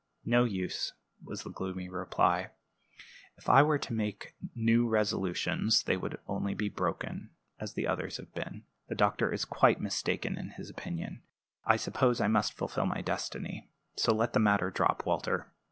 "No use," was the gloomy reply. "If I were to make new resolutions, they would only be broken, as the others have been. The doctor is quite mistaken in his opinion. I suppose I must fulfill my destiny. So let the matter drop, Walter."